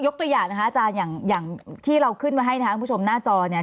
ตัวอย่างนะคะอาจารย์อย่างที่เราขึ้นไว้ให้นะครับคุณผู้ชมหน้าจอเนี่ย